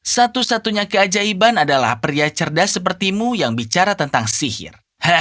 satu satunya keajaiban adalah pria cerdas sepertimu yang bicara tentang sihir